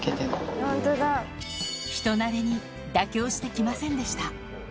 人なれに妥協してきませんでした。